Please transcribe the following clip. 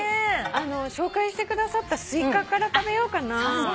紹介してくださったすいかから食べようかな。